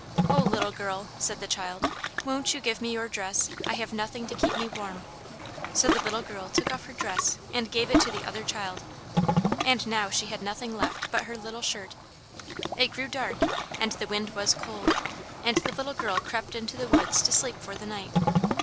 "O little girl," said the child, "won't you give me your dress? I have nothing to keep me warm." So the little girl took off her dress and gave it to the other child. And now she had nothing left but her little shirt. It grew dark, and the wind was cold, and the little girl crept into the woods, to sleep for the night.